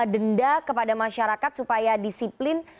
denda kepada masyarakat supaya disiplin